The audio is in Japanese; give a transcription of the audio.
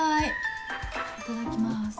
いただきます。